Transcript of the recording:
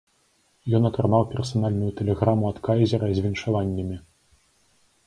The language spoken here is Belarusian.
Ён атрымаў персанальную тэлеграму ад кайзера з віншаваннямі.